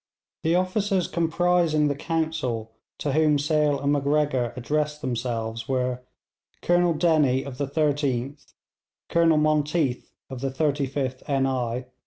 The officers comprising the council to whom Sale and Macgregor addressed themselves were Colonel Dennie of the 13th, Colonel Monteath of the 35th N.I.